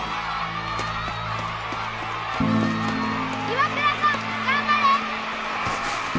岩倉さん頑張れ！